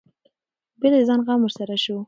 بېرته د ځان غم ورسره شو.